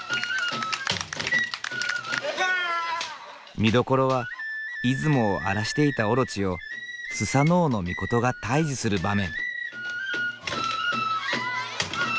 見どころは出雲を荒らしていた大蛇をスサノオノミコトが退治する場面。